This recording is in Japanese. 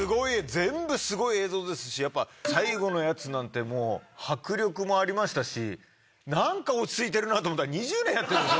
全部すごい映像ですしやっぱ最後のやつなんて迫力もありましたし何か落ち着いてるなと思ったら２０年やってるんですね